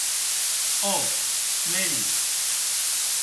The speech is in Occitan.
Ò!, Mary.